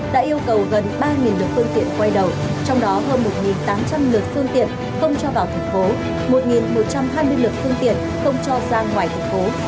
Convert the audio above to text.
đã yêu cầu gần ba lực phương tiện quay đầu trong đó hơn một tám trăm linh lượt phương tiện không cho vào thành phố một một trăm hai mươi lượt phương tiện không cho ra ngoài thành phố